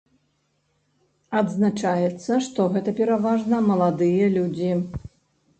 Адзначаецца, што гэта пераважна маладыя людзі.